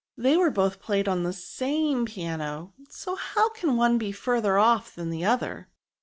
They were both played on the same piano, so how can one be further off than the other?"